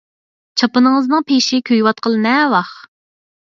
چاپىنىڭىزنىڭ پېشى كۆيۈۋاتقىلى نەۋاخ.